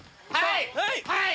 はい！